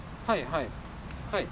はいはい。